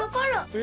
え？